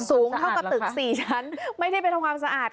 สูงเท่ากับตึก๔ชั้นไม่ได้ไปทำความสะอาด